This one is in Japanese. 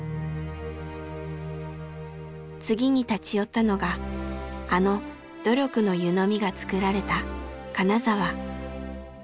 次に立ち寄ったのがあの「努力」の湯飲みが作られた金沢。